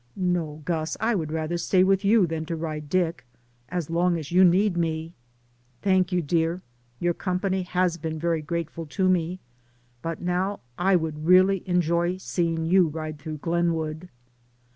"No, Gus, I would rather stay with you than to ride Dick, as long as you need me." "Thank you, dear ; your company has been very grateful to me, but now I would really enjoy seeing you ride through Glenwood."